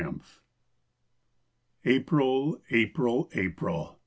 APRIL April! April! April!